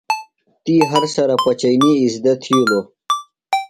تی ہر سرہ پچئینی اِزدہ تِھیلوۡ۔